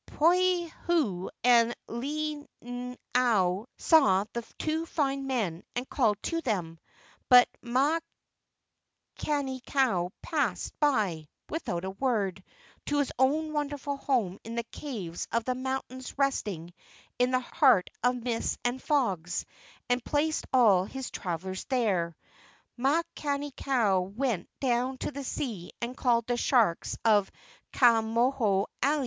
Poliahu and Lilinoe saw the two fine young men and called to them, but Makani kau passed by, without a word, to his own wonderful home in the caves of the moun¬ tains resting in the heart of mists and fogs, and placed all his travellers there. Makani kau went down to the sea and called the sharks of Ka moho alii.